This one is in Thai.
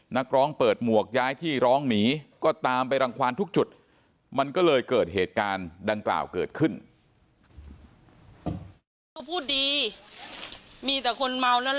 นักร้องเปิดหมวกย้ายที่ร้องหนีก็ตามไปรังความทุกจุดมันก็เลยเกิดเหตุการณ์ดังกล่าวเกิดขึ้น